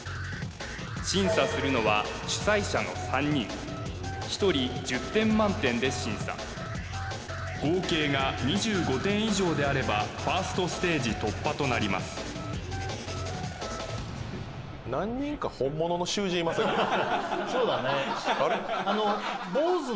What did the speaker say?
審査するのは主催者の３人１人１０点満点で審査合計が２５点以上であればファーストステージ突破となります何人かそうだねあれ？